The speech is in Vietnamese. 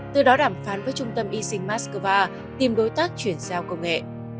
từ đó đàm phán với trung tâm y sinh moscow tìm đối tác chuyển giao công nghệ